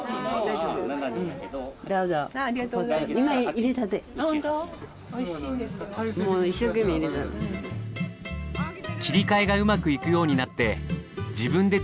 切り替えがうまくいくようになって自分でできること増えました。